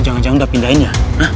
lu jangan jangan udah pindahin ya